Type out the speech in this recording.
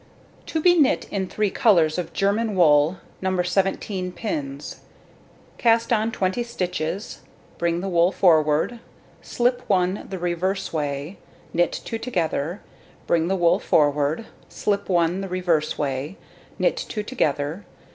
To be knit in 3 colours of German wool. No. 17 pins. Cast on 20 stitches, bring the wool forward, slip 1 the reverse way, knit 2 together, bring the wool forward, slip 1 the reverse way, knit 2 together.